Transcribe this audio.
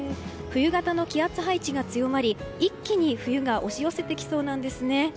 冬型の気圧配置が強まり一気に冬が押し寄せてきそうなんですね。